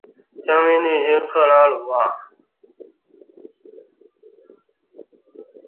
香槟地区拉克鲁瓦。